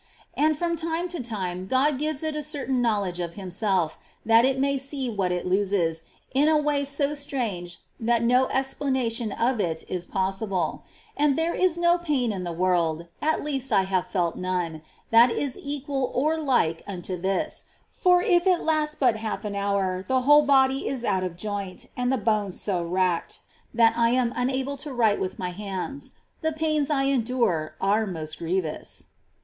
And fr^om time to time God gives it a certain knowledge of Himself, that it may see what it loses, in a way so strange that no explanation of it is possible ; and there is no pain in the world — at least, I have felt none — that is equal or like unto this, for if it lasts but half an hour the whole body is out of joint, and the bones so racked, that I am not able to write with my hands : the pains I endure are most grievous.